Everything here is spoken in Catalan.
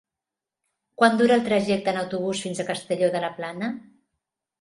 Quant dura el trajecte en autobús fins a Castelló de la Plana?